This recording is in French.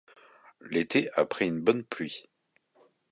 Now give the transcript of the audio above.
L'été après une bonne pluie.